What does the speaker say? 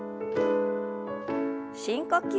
深呼吸。